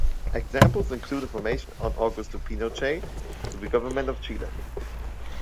Examples include information on Augusto Pinochet to the government of Chile.